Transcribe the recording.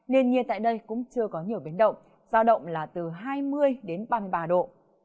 nền nhiệt tại đây cũng chưa có nhiều biến động giao động là từ hai mươi đến ba mươi ba độ